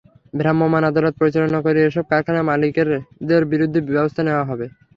ভ্রাম্যমাণ আদালত পরিচালনা করে এসব কারখানার মালিকদের বিরুদ্ধে ব্যবস্থা নেওয়া হবে।